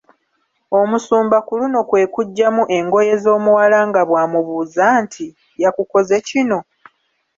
Omusumba ku luno kwe kuggyamu engoye z’omuwala nga bw’amubuuza nti, “yakukoze kino?"